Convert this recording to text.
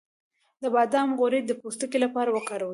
د بادام غوړي د پوستکي لپاره وکاروئ